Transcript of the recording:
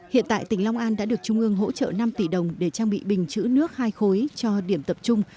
hiện tại tỉnh long an đã được trung ương hỗ trợ năm tỷ đồng để trang bị bình chữ nước hai khối cho điểm tập trung